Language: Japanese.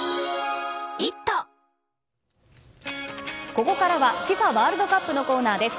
ここからはＦＩＦＡワールドカップのコーナーです。